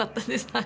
はい。